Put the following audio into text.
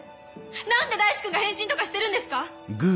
なんで大志くんが変身とかしてるんですか？